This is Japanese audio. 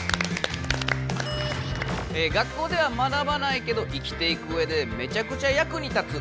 学校では学ばないけど生きていくうえでめちゃくちゃ役に立つ。